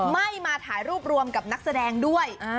ไม่มาถ่ายรูปรวมกับนักแสดงด้วย